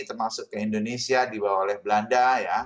termasuk ke indonesia dibawa oleh belanda ya